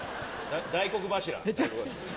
大黒柱。